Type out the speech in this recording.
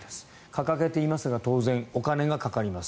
掲げていますが当然、お金がかかります。